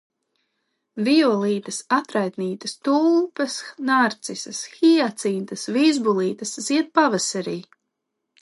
Vijolītes, atraitnītes, tulpes, narcises, hiacintes, vizbulītes zied pavasarī.